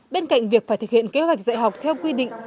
bên cạnh việc phải thực hiện kế hoạch dạy học theo quy định